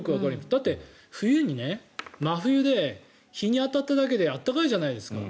だって、真冬で日に当たっただけであったかいじゃないですか。